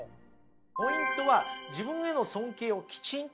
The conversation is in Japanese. ポイントは自分への尊敬をきちんとしてね